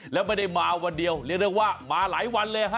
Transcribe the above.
แล้วไม่ได้มาวันเดียวเรียกได้ว่ามาหลายวันเลยฮะ